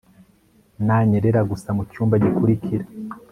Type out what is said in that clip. Nanyerera gusa mucyumba gikurikira